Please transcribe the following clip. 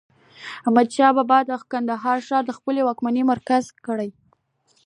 احمد شاه بابا د کندهار ښار د خپلي واکمنۍ مرکز کړ.